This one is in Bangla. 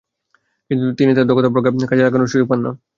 কিন্তু তিনি তার দক্ষতা ও প্রজ্ঞা কাজে লাগানোর সুযোগ পান না।